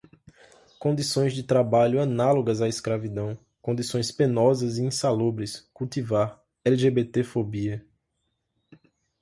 Condições de trabalho análogas à escravidão, condições penosas e insalubres, cultivar, lgbtfobia